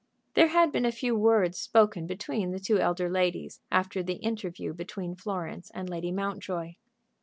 There had been a few words spoken between the two elder ladies after the interview between Florence and Lady Mountjoy.